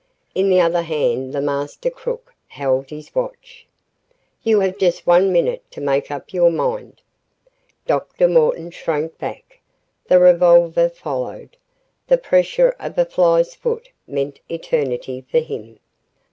In the other hand the master crook held his watch. "You have just one minute to make up your mind." Dr. Morton shrank back. The revolver followed. The pressure of a fly's foot meant eternity for him.